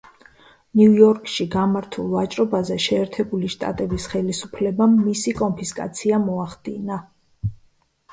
ნიუ-იორკში გამართულ ვაჭრობაზე შეერთებული შტატების ხელისუფლებამ მისი კონფისკაცია მოახდინა.